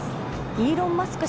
イーロン・マスク